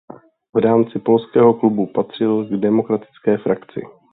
V rámci Polského klubu patřil k demokratické frakci.